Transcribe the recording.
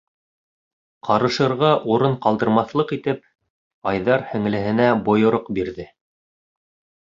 Ҡарышырға урын ҡалдырмаҫлыҡ итеп, Айҙар һеңлеһенә бойороҡ бирҙе: